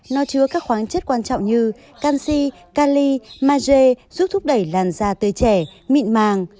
nó chứa các khoáng chất quan trọng như canxi kali maje giúp thúc đẩy làn da tươi trẻ mịn màng